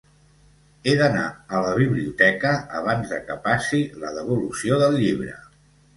He d"anar a la biblioteca abans de que passi la devolució del llibre.